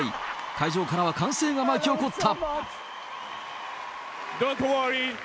会場からは歓声が巻き起こった。